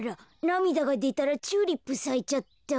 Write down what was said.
なみだがでたらチューリップさいちゃった。